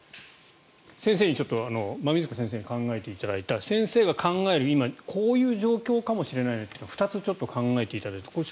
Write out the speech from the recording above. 馬見塚先生に考えていただいた先生が考える今、こういう状況かもしれないという２つ考えていただきました。